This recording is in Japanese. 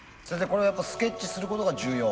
これやっぱスケッチすることが重要？